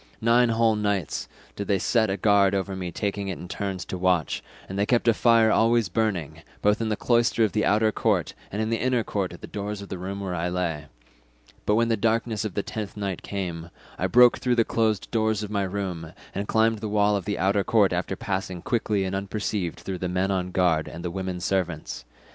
Nine whole nights did they set a guard over me taking it in turns to watch, and they kept a fire always burning, both in the cloister of the outer court and in the inner court at the doors of the room wherein I lay; but when the darkness of the tenth night came, I broke through the closed doors of my room, and climbed the wall of the outer court after passing quickly and unperceived through the men on guard and the women servants.